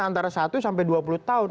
antara satu sampai dua puluh tahun